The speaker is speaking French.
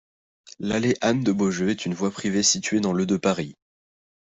L'allée Anne-de-Beaujeu est une voie privée située dans le de Paris.